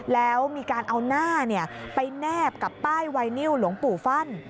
แล้วมีการเอาหน้าไปแนบกับป้ายไวนิวหลวงปู่ฟั่น